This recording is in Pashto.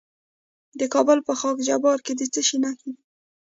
د کابل په خاک جبار کې د څه شي نښې دي؟